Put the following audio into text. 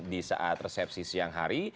di saat resepsi siang hari